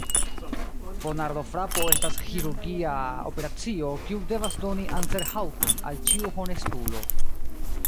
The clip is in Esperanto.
Ponardofrapo estas ĥirurgia operacio, kiu devas doni anserhaŭton al ĉiu honestulo.